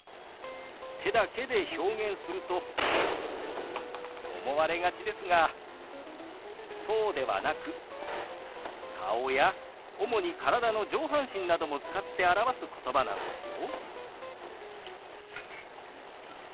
手だけで表現すると思われがちですがそうではなく顔や主に体の上半身なども使って表すことばなんですよ。